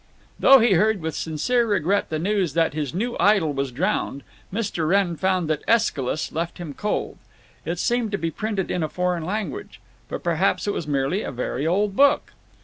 Though he heard with sincere regret the news that his new idol was drowned, Mr. Wrenn found that AEschylus left him cold. It seemed to be printed in a foreign language. But perhaps it was merely a very old book.